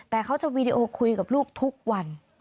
แต่เขาจะวีดีโอคุยกับลูกทุกวัน